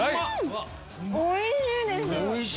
おいしいです！